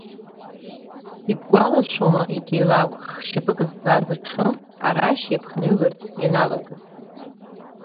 Ибгәалашәома егьи алакә, хшьапык зҵаз аҽы, арашь иаԥхныҩларц ианалагаз.